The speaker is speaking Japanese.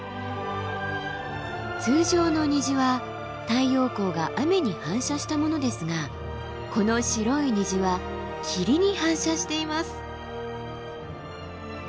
通常の虹は太陽光が雨に反射したものですがこの白い虹は霧に反射しています。